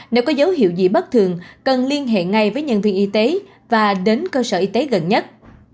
nếu có dấu hiệu gì bất thường cần liên hệ ngay với nhân viên y tế và đến cơ sở y tế gần nhất